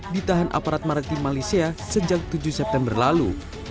ditahan aparat maritim malaysia sejak tujuh september lalu